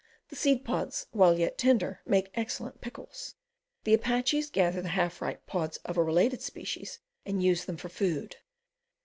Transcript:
The seed pods, while yet tender, make excellent pickles. The Apaches gather the half ripe pods of a related species and use them for food.